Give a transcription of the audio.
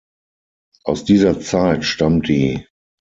Aus dieser Zeit stammt die